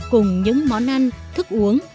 cùng những món ăn thức uống